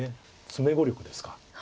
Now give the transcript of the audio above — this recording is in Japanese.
詰碁力ですか。